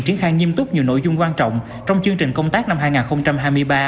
triển khai nghiêm túc nhiều nội dung quan trọng trong chương trình công tác năm hai nghìn hai mươi ba